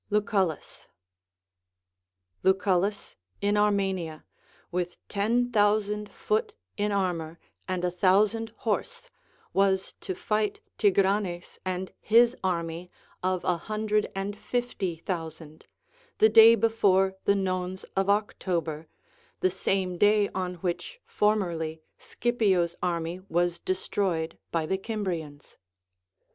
LucuLLUs. Lucullus in Armenia, Avith ten thousand foot in armor and a thousand horse, was to fight Tigranes and his army of a hundred and fifty thousand, the day before the nones of October, the same day on which formerly Scipio's army was destroyed by the Cimbrians.